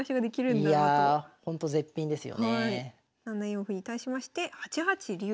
７四歩に対しまして８八竜。